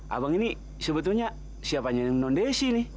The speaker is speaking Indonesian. abang ini sebetulnya siapa yang nongon desi nih